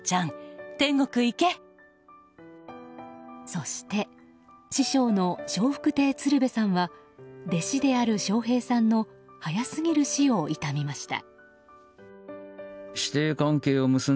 そして師匠の笑福亭鶴瓶さんは弟子である笑瓶さんの早すぎる死を悼みました。